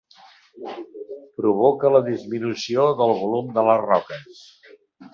Provoca la disminució del volum de les roques.